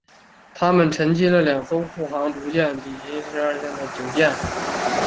它们击沉了两艘护航驱逐舰以及船队十二艘中的九艘。